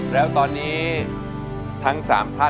เอาแซนมายังไงเนี่ย